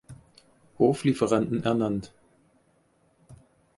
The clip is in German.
Hoflieferanten ernannt.